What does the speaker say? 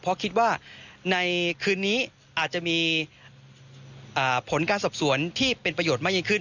เพราะคิดว่าในคืนนี้อาจจะมีผลการสอบสวนที่เป็นประโยชน์มากยิ่งขึ้น